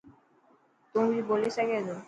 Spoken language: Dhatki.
تون بي ٻولي سگھي ٿو.